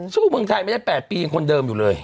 ทุกประเภทไม่ได้๘ปีอย่างคนเดิมอยู่เลย